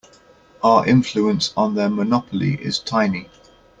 Our influence on their monopoly is tiny.